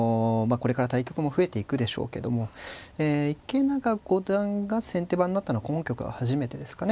これから対局も増えていくでしょうけども池永五段が先手番になったのは今局が初めてですかね。